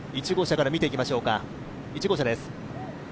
１号車から見ていきましょう。